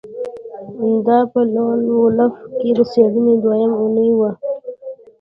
دا په لون وولف کې د څیړنې دویمه اونۍ وه